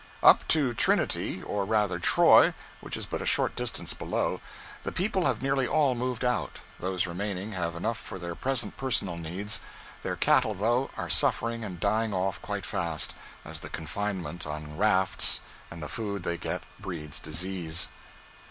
Up to Trinity, or rather Troy, which is but a short distance below, the people have nearly all moved out, those remaining having enough for their present personal needs. Their cattle, though, are suffering and dying off quite fast, as the confinement on rafts and the food they get breeds disease.